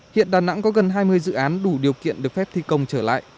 hiện đà nẵng có gần hai mươi dự án đủ điều kiện được phép thi công trở lại